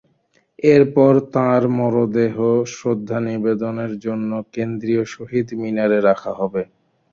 এরপর তাঁর মরদেহ শ্রদ্ধা নিবেদনের জন্য কেন্দ্রীয় শহীদ মিনারে রাখা হবে।